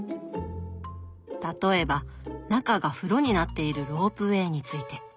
例えば中が風呂になっているロープウエーについて。